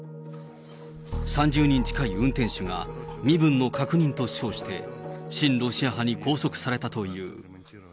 ３０人近い運転手が、身分の確認と称して、親ロシア派に拘束されたという。